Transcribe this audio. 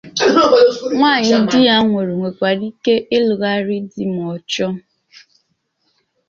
Nwaanyị di ya nwụrụ nwèkwàrà ike ịlụgharị di ma ọ chọọ